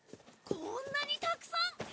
こんなにたくさん！